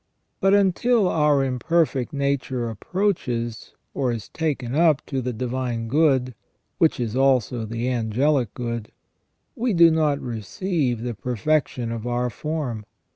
But until our imperfect nature approaches or is taken up to the divine good, which is also the angelic good, we do not receive the perfection of our form.